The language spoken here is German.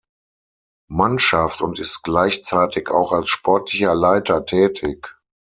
Mannschaft und ist gleichzeitig auch als Sportlicher Leiter tätig.